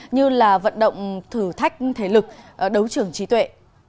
như là vận động thử thách thể lực đấu trưởng trí tuệ